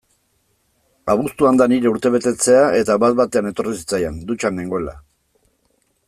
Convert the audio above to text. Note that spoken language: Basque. Abuztuan da nire urtebetetzea eta bat-batean etorri zitzaidan, dutxan nengoela.